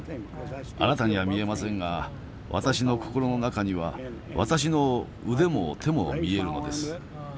あなたには見えませんが私の心の中には私の腕も手も見えるのです。